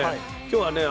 今日はね